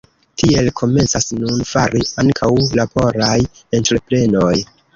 Tiel komencas nun fari ankaŭ la polaj entreprenoj.